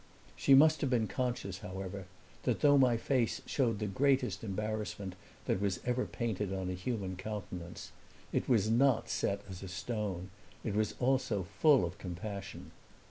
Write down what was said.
She must have been conscious, however, that though my face showed the greatest embarrassment that was ever painted on a human countenance it was not set as a stone, it was also full of compassion.